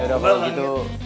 ya udah abah begitu